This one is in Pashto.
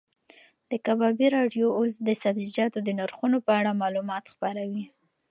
د کبابي راډیو اوس د سبزیجاتو د نرخونو په اړه معلومات خپروي.